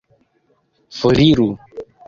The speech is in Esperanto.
Foriru!